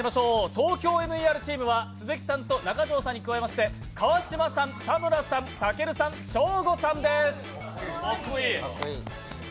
「ＴＯＫＹＯＭＥＲ」チームは鈴木さんと中条さんに加えまして川島さん、田村さん、たけるさん、ショーゴさんです。